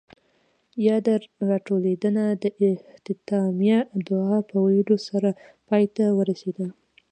ياده راټولېدنه د اختتامیه دعاء پۀ ويلو سره پای ته ورسېده.